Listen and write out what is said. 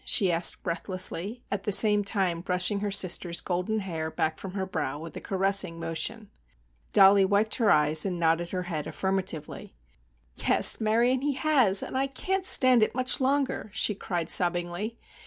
she asked breathlessly, at the same time brushing her sister's golden hair back from her brow with a caressing motion. Dollie wiped her eyes and nodded her head affirmatively. "Yes, Marion, he has, and I can't stand it much longer!" she cried, sobbingly.